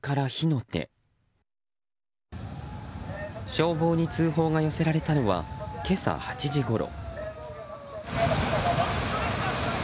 消防に通報が寄せられたのは今朝８時ごろ。